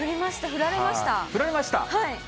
降られました？